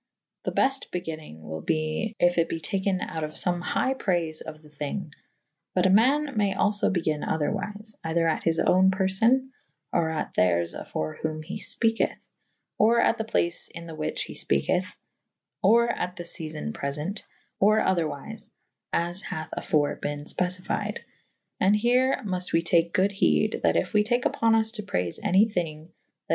The befte begynnynge wyl be if it be taken out of fome hygh prayfe of the thynge. But a man maye alfo begyne otherwyfe / eyther at his owne perfon or at theyrs afore whom he fpeketh / or at the place in the whiche he fpeketh / or at the feafon prefent / or otherwyfe / as hathe afore ben fpecified / and here muft we take good hede that yf we take vpo« vs to praife any thynge that is no^ ■ B.